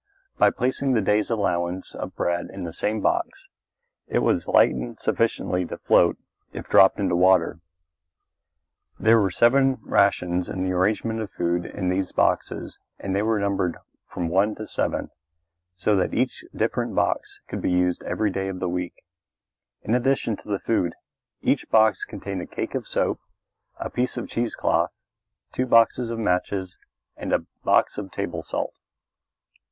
By placing the day's allowance of bread in this same box, it was lightened sufficiently to float if dropped into water. There were seven variations in the arrangement of food in these boxes and they were numbered from 1 to 7, so that a different box could be used every day of the week. In addition to the food, each box contained a cake of soap, a piece of cheese cloth, two boxes of matches, and a box of table salt.